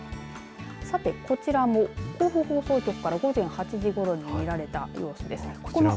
さて、こちらも甲府放送局から午前８時ごろ見られた様子です。